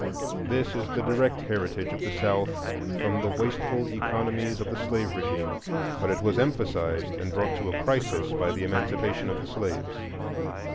This is the direct heritage of the South from the wasteful economies of the slave régime; but it was emphasized and brought to a crisis by the Emancipation of the slaves.